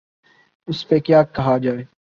اس پہ کیا کہا جائے؟